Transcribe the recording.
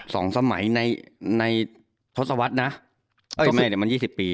สองสมัยในทศวรรษนะเอ้ยไม่เดี๋ยวมัน๒๐ปี